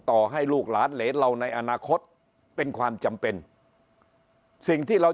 ต่อให้ลูกหลานเหรนเราในอนาคตเป็นความจำเป็นสิ่งที่เรา